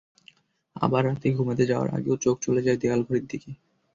আবার রাতে ঘুমাতে যাওয়ার আগেও চোখ চলে যায় দেয়ালে ঘড়ির দিকে।